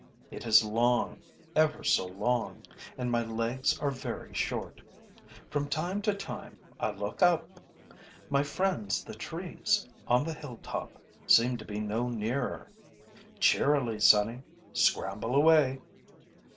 It is long, ever so long; and my legs are very short. From time to time, I look up. My friends, the trees on the hilltop, seem to be no nearer. Cheerily, sonny! Scramble away!